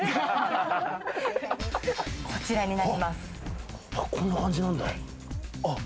こちらになります。